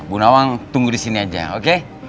bunawang tunggu di sini aja oke